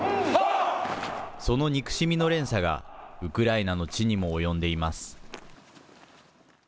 その憎しみの連鎖が、ウクライナの地にも及んでいます。